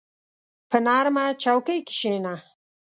په نرمه چوکۍ کښېنه.